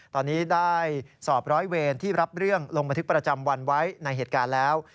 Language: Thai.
ตอนนี้ได้สอบร้อยเวรที่รับเรื่องลงบันทึกประจำวันไว้ในเหตุการณ์แล้ว